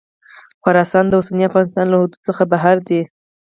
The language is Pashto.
خراسان د اوسني افغانستان له حدودو څخه بهر دی.